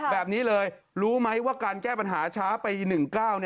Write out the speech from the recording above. แบบนี้เลยรู้ไหมว่าการแก้ปัญหาช้าไป๑๙